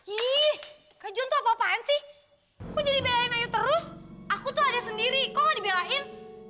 ih kak juan tuh apa apain sih kok jadi belain ayu terus aku tuh ada sendiri kok nggak dibelain